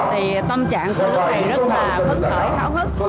thì tâm trạng của lúc này rất là vấn khởi khảo hức